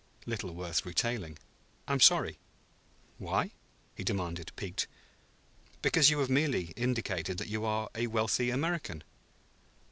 "Little worth retailing." "I'm sorry." "Why?" he demanded, piqued. "Because you have merely indicated that you are a wealthy American."